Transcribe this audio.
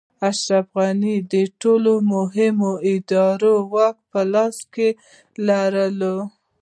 اشرف غني د ټولو مهمو ادارو واک په لاس کې لري.